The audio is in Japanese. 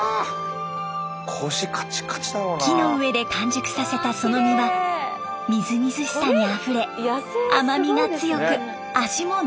木の上で完熟させたその実はみずみずしさにあふれ甘みが強く味も濃厚。